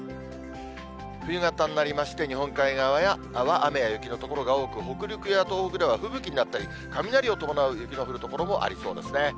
冬型になりまして、日本海側や雨や雪の所が多く、北陸や東北では吹雪になったり、雷を伴う雪の降る所もありそうですね。